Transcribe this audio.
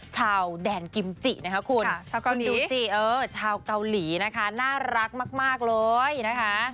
ชาวแดนกิมจินะคะคุณดูสิชาวเกาหลีนะคะน่ารักมากเลยนะคะ